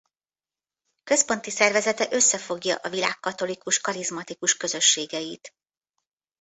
Központi szervezete összefogja a világ katolikus karizmatikus közösségeit.